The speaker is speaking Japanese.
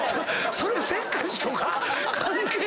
それせっかちとか関係ない。